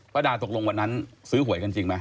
ดาตกลงวันนั้นซื้อหวยกันจริงไหม